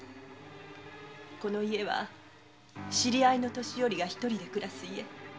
この家は知り合いの年寄りが独りで暮らす家。